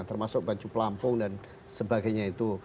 termasuk baju pelampung dan sebagainya itu